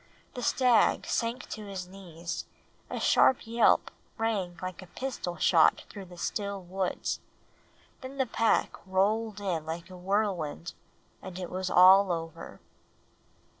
The stag sank to his knees; a sharp yelp rang like a pistol shot through the still woods; then the pack rolled in like a whirlwind, and it was all over.